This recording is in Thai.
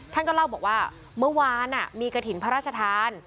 ท่านก็เล่าบอกว่าเมื่อวานมีกระถิ่นพระราชทาน